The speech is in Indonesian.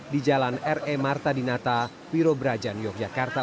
di jalan re marta dinata wiro brajan yogyakarta